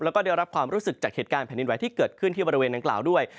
แล้วก็ได้รับความรู้สึกจากเหตุการณ์แผ่นดินไหวที่เกิดขึ้นที่บริเวณดังกล่าวด้วย